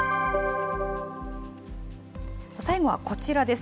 最後はこちらです。